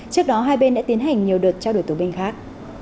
trước đó hai bên đã tiến hành nhiều đợt trao đổi tù binh khác